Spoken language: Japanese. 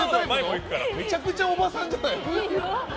めちゃくちゃおばさんじゃない。